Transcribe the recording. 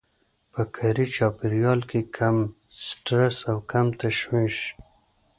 په کاري چاپېريال کې کم سټرس او کم تشويش.